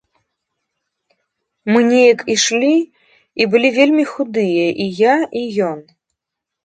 Мы неяк ішлі, і былі вельмі худыя, і я, і ён.